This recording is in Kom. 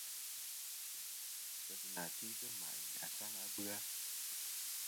Ghesɨnà te'tɨ ma'i asaŋ a bɨ-a.